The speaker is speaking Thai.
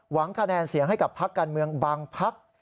หวังกระแนนเสียงให้กับภักดิ์การเมืองบางภักดิ์